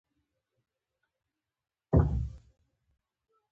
توپک د حق له لارې منحرفوي.